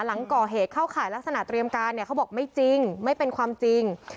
หลังก่อเหตุเข้าข่ายลักษณะเตรียมการเนี่ยเขาบอกไม่จริงไม่เป็นความจริง